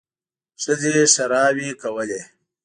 ښځې ښېراوې کولې.